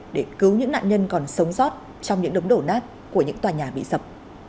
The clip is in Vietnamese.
để cứu những nạn nhân còn sống sót trong những đống đổ nát của những tòa nhà bị sập